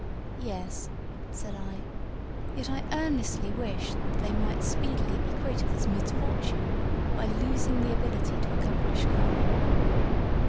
'Yes,' said I; 'yet I earnestly wish they might speedily be quit of this misfortune by losing the ability to accomplish crime.'